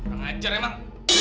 enggak ajar emang